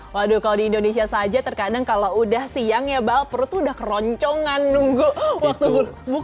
waduh kalau di indonesia saja terkadang kalau udah siang ya bal perut tuh udah keroncongan nunggu waktu